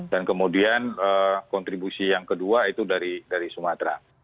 dan kemudian kontribusi yang kedua itu dari sumatera